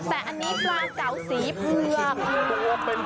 แต่อันนี้ปลาเก๋าสีเผือก